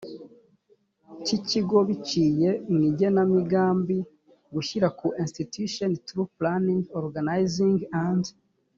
cy ikigo biciye mu igenamigambi gushyira ku institution through planning organizing and